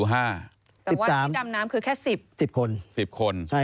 สำหรับที่ดำน้ำแค่๑๐